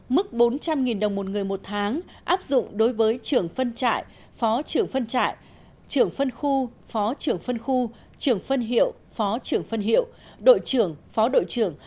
mức bốn trăm linh đồng một người một tháng áp dụng đối với trưởng phân trại phó trưởng phân trại trưởng phân khu phó trưởng phân khu trưởng phân hiệu phó trưởng phân hiệu đội trưởng phó đội trưởng